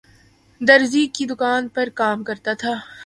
درزی کی دکان پرکام کرتا تھا